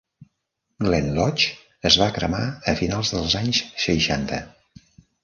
Glen Lodge es va cremar a finals dels anys seixanta.